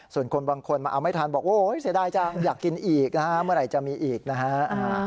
ส่วนคนบางคนมาเอาไม่ทันบอกโอ้ยเสียดายจังอยากกินอีกนะฮะเมื่อไหร่จะมีอีกนะฮะ